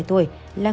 là người địa phương